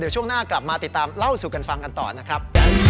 ช่วงหน้ากลับมาติดตามเล่าสู่กันฟังกันต่อนะครับ